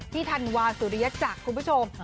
ธันวาสุริยจักรคุณผู้ชม